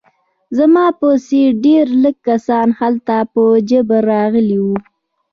زما په څېر ډېر لږ کسان هلته په جبر راغلي وو